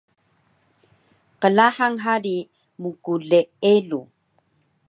Qlahang hari mkleeluw